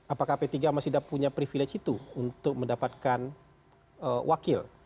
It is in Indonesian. apakah p tiga masih punya privilege itu untuk mendapatkan wakil